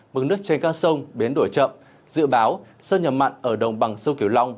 mừng nước trên các sông bến đổi chậm dự báo sơn nhầm mặn ở đồng bằng sông kiều long